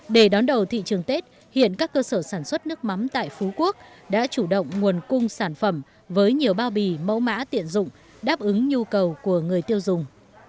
để đón đầu thị trường tết hiện các cơ sở sản xuất nước mắm tại phú quốc đã chủ động nguồn cung sản phẩm với nhiều bao bì mẫu mã tiện dụng đáp ứng nhu cầu của người tiêu dùng